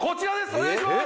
お願いします